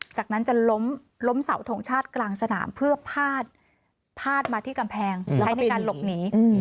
จากนั้นจะล้มล้มเสาทงชาติกลางสนามเพื่อพาดมาที่กำแพงใช้ในการหลบหนี